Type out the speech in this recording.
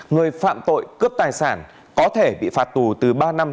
người phạm tội cướp tài sản có thể bị phạt tù từ ba năm